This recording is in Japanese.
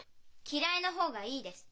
「嫌い」の方がいいです。